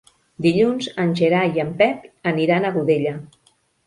Dilluns en Gerai i en Pep aniran a Godella.